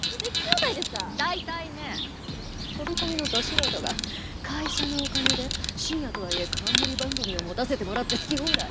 大体ね飛び込みのど素人が会社のお金で深夜とはいえ冠番組を持たせてもらって好き放題。